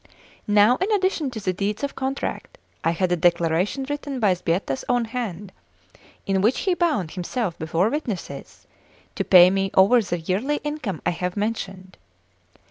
Now, in addition to the deeds of contract, I had a declaration written by Sbietta's own hand, in which he bound himself before witnesses to pay me over the yearly income I have mentioned.